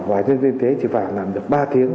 và nhân viên thế chỉ vào làm được ba tiếng